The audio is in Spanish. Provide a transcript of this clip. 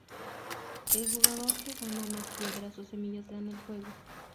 El jugador que gana más piedras o "semillas" gana el juego.